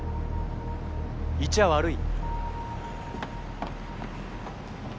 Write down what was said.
いちゃ悪い？